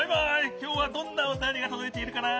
きょうはどんなおたよりがとどいているかな？